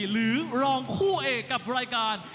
หรือรองคู่เอกกับรายการ